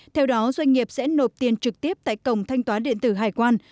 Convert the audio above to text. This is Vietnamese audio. theo đó doanh nghiệp sẽ nộp tiền trực tiếp tại cổng thanh toán điện tử hải quan